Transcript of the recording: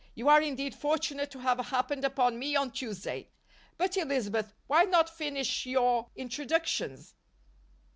You are indeed fortunate to have happened upon me on Tuesday. But, Elizabeth, why not finish your introductions?"